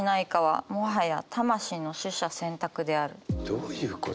どういうこと？